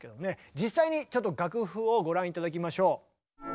実際にちょっと楽譜をご覧頂きましょう。